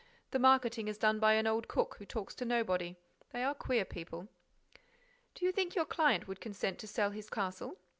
The marketing is done by an old cook, who talks to nobody. They are queer people—" "Do you think your client would consent to sell his castle?"